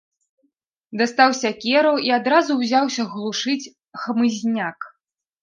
Дастаў сякеру і адразу ўзяўся глушыць хмызняк.